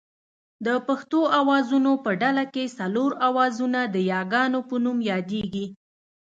د پښتو آوازونو په ډله کې څلور آوازونه د یاګانو په نوم یادېږي